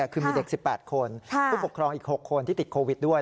คือมีเด็ก๑๘คนผู้ปกครองอีก๖คนที่ติดโควิดด้วย